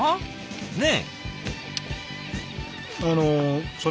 ねえ。